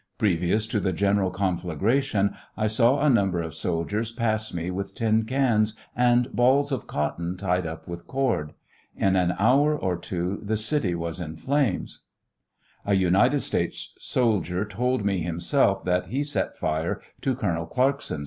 Previous to the general conflagration, I saw a number of soldiers pass me with tin cans and balls of cotton tied up with cord. In an hour or two the city was in flames. A United States soldier told me himself that he set fire to Col. Clarkson.'